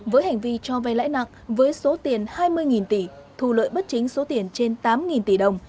với hành vi cho vay lãi nặng với số tiền hai mươi tỷ thu lợi bất chính số tiền trên tám tỷ đồng